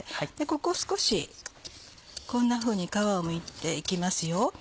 ここを少しこんなふうに皮をむいて行きますよ。